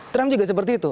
trump juga seperti itu